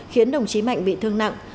khiến đồng chí mạnh bị thương nặng